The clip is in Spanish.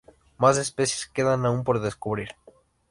Más especies quedan aún por descubrir.